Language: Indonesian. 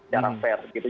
darah fair gitu